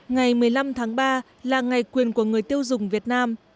ngày một mươi năm tháng ba là ngày quyền của người tiêu dùng việt nam